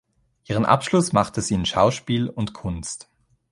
Ihren Abschluss machte sie in "Schauspiel" und "Kunst".